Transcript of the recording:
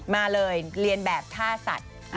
มาเลยเรียนแบบท่าสัตว์